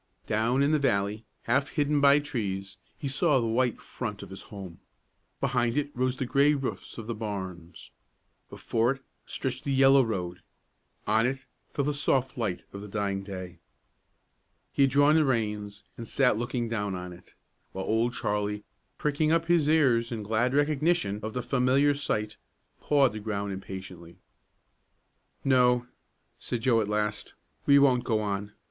Down in the valley, half hidden by trees, he saw the white front of his home. Behind it rose the gray roofs of the barns; before it stretched the yellow road; on it fell the soft light of the dying day. He had drawn the reins and sat looking down on it, while Old Charlie, pricking up his ears in glad recognition of the familiar sight, pawed the ground impatiently. "No," Joe said, at last, "we won't go on.